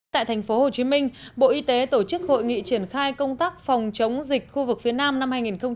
tại tp hcm bộ y tế tổ chức hội nghị triển khai công tác phòng chống dịch khu vực phía nam năm hai nghìn hai mươi